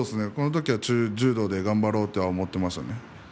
このときはまだ柔道で頑張ろうと思っていましたね。